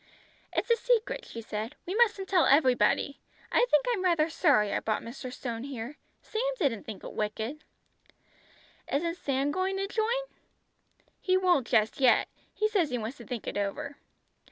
"It's a secret," she said; "we mustn't tell everybody. I think I'm rather sorry I brought Mr. Stone here. Sam didn't think it wicked." "Isn't Sam going to join?" "He won't just yet. He says he wants to think it over."